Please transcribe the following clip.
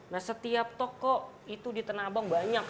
nah setiap toko itu ditenabang banyak